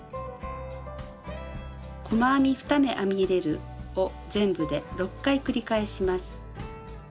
細編み２目編み入れるを全部で６回繰り返します。